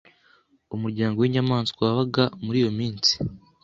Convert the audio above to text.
Umuryango winyamanswa wabaga muri iyo minsi.